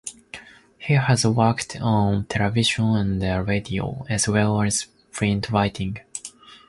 He has worked on television and radio as well as print writing.